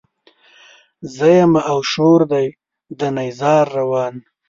زه يمه او شور دی د نيزار روان